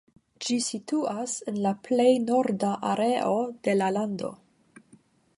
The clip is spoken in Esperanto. Ĝi situantas en plej norda areo de la lando.